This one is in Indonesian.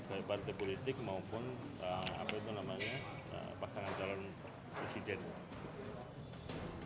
bagaimana partai politik maupun apa itu namanya pasangan jalan presiden